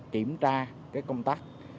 kiểm tra công tác